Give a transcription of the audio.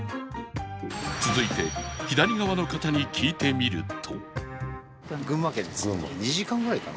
続いて左側の方に聞いてみると